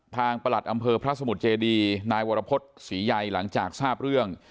ประหลัดอำเภอพระสมุทรเจดีนายวรพฤษศรีใยหลังจากทราบเรื่อง